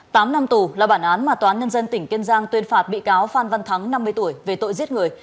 tám năm tù là bản án mà toán nhân dân tỉnh kiên giang tuyên phạt bị cáo phan văn thắng năm mươi tuổi về tội giết người